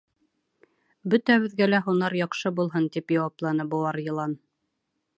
— Бөтәбеҙгә лә һунар яҡшы булһын, — тип яуапланы быуар йылан.